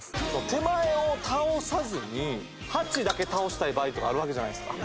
手前を倒さずに８だけ倒したい場合とかあるわけじゃないですか。